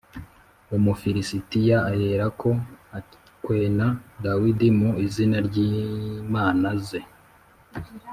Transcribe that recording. Umufilisitiya aherako akwena Dawidi mu izina ry’imana ze.